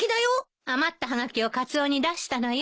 余ったはがきをカツオに出したのよ。